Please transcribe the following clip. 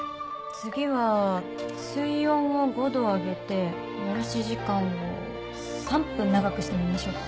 次は水温を５度上げて蒸らし時間を３分長くしてみましょうか。